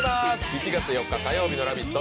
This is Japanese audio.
７月４日火曜日の「ラヴィット！」